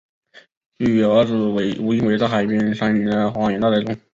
居于儿子吴英伟在海边山顶的花园大宅中。